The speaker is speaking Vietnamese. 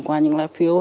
qua những lái phiếu